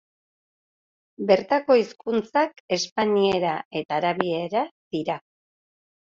Bertako hizkuntzak espainiera eta arabiera dira.